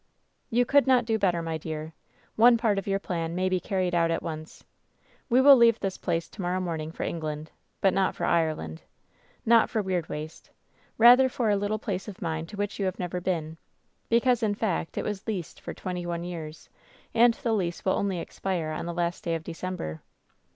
*" ^You could not do better, my dear. One part of your plan may be carried out at once. We will leave this place to morrow morning for England, but not for Ireland — ^not for Weirdwaste — ^rather for a little place of mine to which you have never been ; because, in fact, it was leased for twenty one years, and the lease will only expire on the last day of December.'